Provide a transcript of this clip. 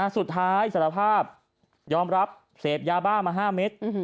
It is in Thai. สุดท้ายสารภาพยอมรับเสพยาบ้ามา๕เมตร